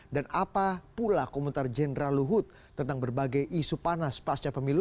dan apapun komentar jenderal luhut tentang berbagai isu panas pasca pemilu